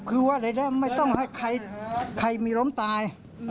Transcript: คือว่าใดไม่ต้องให้ใครมีล้มตาย